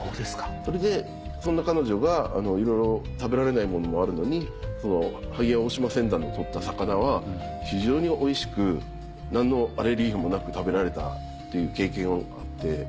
それでそんな彼女がいろいろ食べられないものもあるのに萩大島船団の取った魚は非常においしく何のアレルギーもなく食べられたっていう経験があって。